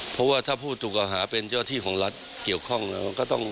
เพราะว่าถ้าผู้ถูกกล่าหาเป็นเจ้าที่ของรัฐเกี่ยวข้องก็ต้อง